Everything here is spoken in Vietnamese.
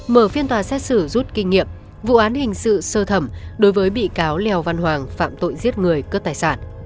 mở phiên tòa xét xử rút kinh nghiệm vụ án hình sự sơ thẩm đối với bị cáo lèo văn hoàng phạm tội giết người cướp tài sản